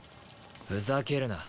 ふざけるな。